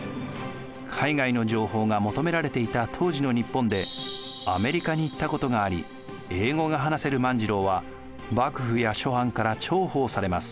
海外の情報が求められていた当時の日本でアメリカに行ったことがあり英語が話せる万次郎は幕府や諸藩から重宝されます。